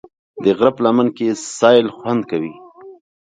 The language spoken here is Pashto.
د غره په لمن کې سیل خوند کوي.